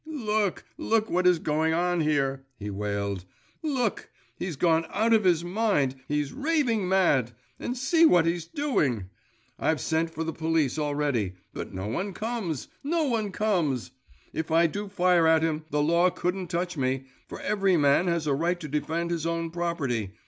'Look, look, what is going on here!' he wailed 'look! He's gone out of his mind, he's raving mad … and see what he's doing! I've sent for the police already but no one comes! No one comes! If I do fire at him, the law couldn't touch me, for every man has a right to defend his own property!